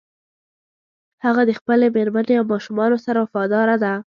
هغه د خپلې مېرمنې او ماشومانو سره وفاداره ده